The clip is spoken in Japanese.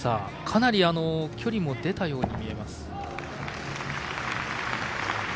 かなり距離も出たように見えます。